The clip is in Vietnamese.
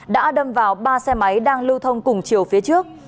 đã đâm vào ba xe máy đang lưu thông cùng chiều phía trước